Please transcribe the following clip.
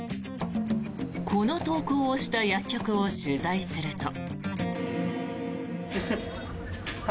この投稿をした薬局を取材すると。